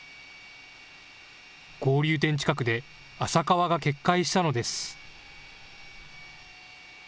合流点近くで浅川が決壊したのです。